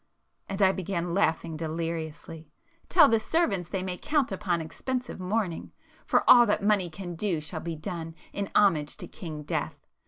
—and I began laughing deliriously—"Tell the servants they may count upon expensive mourning,—for all that money can do shall be done in homage to King Death!